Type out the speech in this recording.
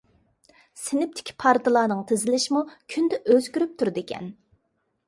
سىنىپتىكى پارتىلارنىڭ تىزىلىشىمۇ كۈندە ئۆزگىرىپ تۇرىدىكەن.